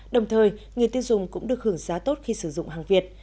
đồng thời người tiêu dùng cũng được hưởng giá tốt khi sử dụng hàng việt